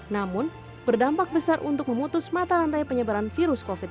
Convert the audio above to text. namun berdampak besar untuk memutus mata rantai penyebaran virus covid sembilan belas